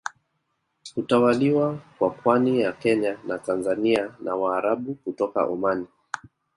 Kutawaliwa kwa pwani ya Kenya na Tanzania na Waarabu kutoka Omani